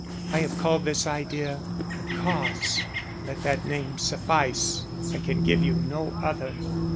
I have called this idea the Cause. Let that name suffice. I can give you no other."